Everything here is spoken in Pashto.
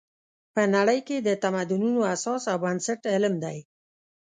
په نړۍ کې د تمدنونو اساس او بنسټ علم دی.